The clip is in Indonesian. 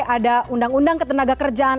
ada undang undang ketenaga kerjaan